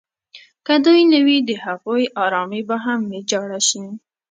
که دوی نه وي د هغوی ارامي به هم ویجاړه شي.